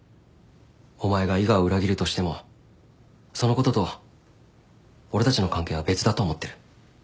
お前が伊賀を裏切るとしてもそのことと俺たちの関係は別だと思ってる。